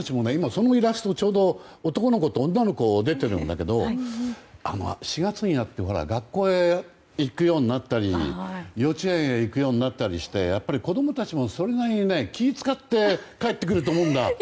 そのイラストはちょうど男の子と女の子、出てるんだけど４月になって学校に行くようになったり幼稚園に行くようになったり子供たちも気を使って帰ってくると思うんだ。